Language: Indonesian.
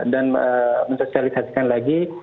dan untuk sosialisasikan lagi